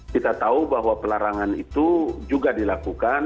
kita tahu bahwa pelarangan itu juga dilakukan